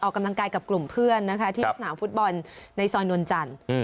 กำลังกายกับกลุ่มเพื่อนนะคะที่สนามฟุตบอลในซอยนวลจันทร์